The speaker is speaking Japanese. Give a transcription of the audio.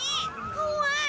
こわい。